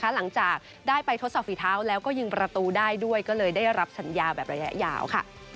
หลังจากได้ไปทดสอบฝีเท้าแล้วก็ยิงประตูได้ด้วยก็เลยได้รับสัญญาแบบระยะยาวค่ะ